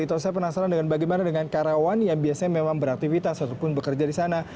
tito saya penasaran dengan bagaimana dengan karyawan yang biasanya memang beraktivitas ataupun bekerja di sana